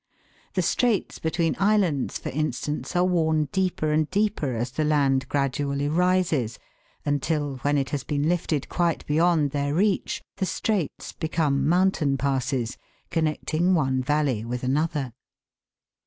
The straits between islands, for instance, are worn deeper and deeper as the land gradually rises, until, when it has been lifted quite beyond their reach, the straits become mountain passes, connecting one valley with another..